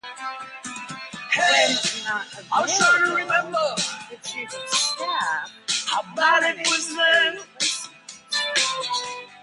When not available, the Chief of Staff nominates a replacement.